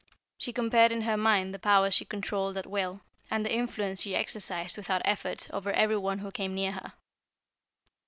She compared in her mind the powers she controlled at will, and the influence she exercised without effort over every one who came near her.